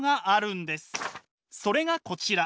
それがこちら！